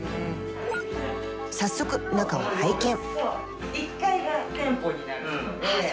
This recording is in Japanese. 早速中を拝見！